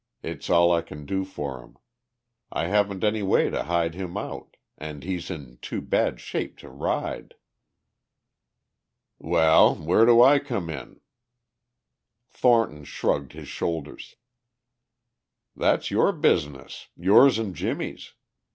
It's all I can do for him; I haven't any way to hide him out. And he's in too bad shape to ride." "Well, where do I come in?" Thornton shrugged his shoulders. "That's your business, yours and Jimmie's.